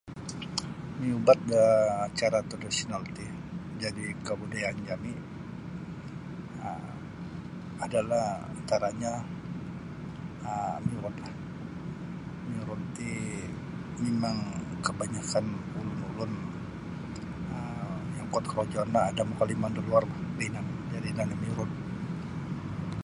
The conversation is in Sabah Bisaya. Miubat da cara tradisional ti jadi kabudayaan jami um adalah antaranyo um miurut lah miurut ti mimang kabanyakan ulun-ulun um [unintelligible] ada makalimon da luor bah da inan jadi ino nio miurut.